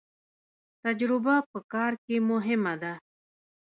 تجربه په کار کې مهمه ده